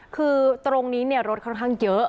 คือตรงนี้รถค่อนข้างเยอะ